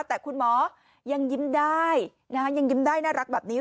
แต่คุณหมอยังยิ้มได้ยังยิ้มได้น่ารักแบบนี้